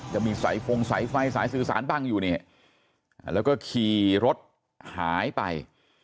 จะมีสายฟงสายไฟสายสื่อสารบังอยู่นี่แล้วก็ขี่รถหายไป